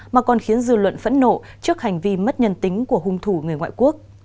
mà còn khiến dư luận phẫn nộ trước hành vi mất nhân tính của hung thủ người ngoại quốc